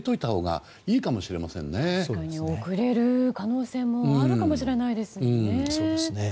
確かに、遅れる可能性もあるかもしれないですよね。